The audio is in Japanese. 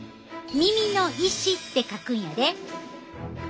耳の石って書くんやで。